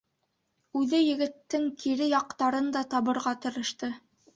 Үҙе егеттең кире яҡтарын да табырға тырышты.